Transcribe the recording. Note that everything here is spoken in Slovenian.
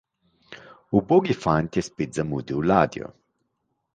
Ubogi fant je spet zamudil ladjo.